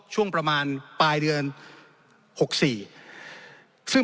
ช่วงประมาณปลายเดือน